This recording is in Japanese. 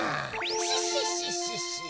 シッシッシッシッシ。